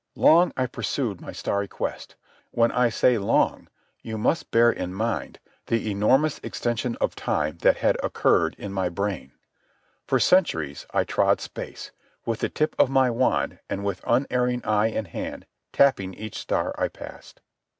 Long I pursued my starry quest. When I say "long," you must bear in mind the enormous extension of time that had occurred in my brain. For centuries I trod space, with the tip of my wand and with unerring eye and hand tapping each star I passed.